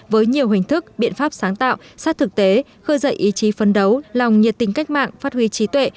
với nhiều hình thức biện pháp sáng tạo sát thực tế khơi dậy ý chí phấn đấu lòng nhiệt tình cách mạng phát huy trí tuệ